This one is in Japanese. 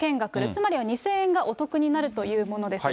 つまりは２０００円がお得になるというものです。